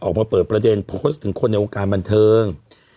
ออกมาเปิดประเด็นโพสต์ถึงคนในวงการบันเทิง